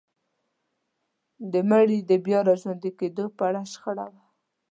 د مړي د بيا راژوندي کيدو په اړه شخړه وه.